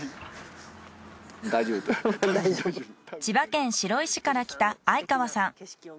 千葉県白井市から来た相川さん。